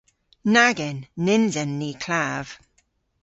Nag en. Nyns en ni klav.